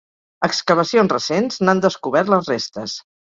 Excavacions recents n'han descobert les restes.